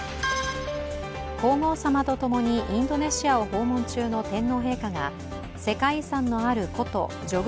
皇后さまと共にインドネシアを訪問中の天皇陛下が世界遺産のある古都ジョグ